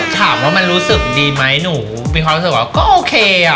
ถามว่ามันรู้สึกดีไหมหนูมีความรู้สึกว่าก็โอเคอ่ะ